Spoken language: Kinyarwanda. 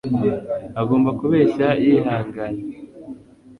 agomba kubeshya yihanganye